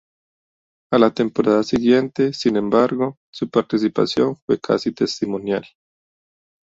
A la temporada siguiente, sin embargo, su participación fue casi testimonial.